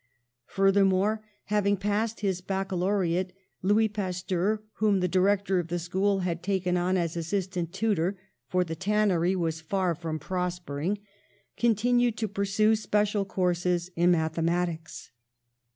Furthermore, having passed his baccalaureate, Louis Pasteur, whom the direc tor of the school had taken on as assistant tu tor — for the tannery was far from prospering — continued to pursue special courses in mathe matics.